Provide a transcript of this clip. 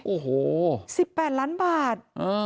โอ้โห๑๘ล้านบาท